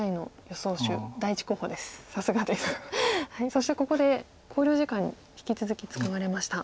そしてここで考慮時間引き続き使われました。